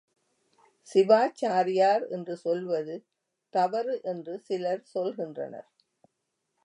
சிவாச்சாரியார் என்று சொல்வது தவறு என்று சிலர் சொல்கின்றனர்.